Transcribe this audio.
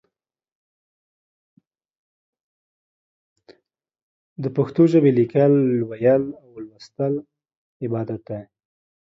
د پښتو ژبې ليکل، ويل او ولوستل عبادت دی.